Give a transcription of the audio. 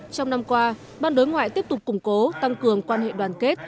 trong năm qua ban đối ngoại tiếp tục củng cố tăng cường quan hệ đoàn kết